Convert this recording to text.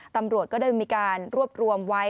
ตำรวจก็ได้มีการรวบรวมไว้